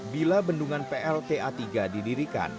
bila bendungan plta tiga didirikan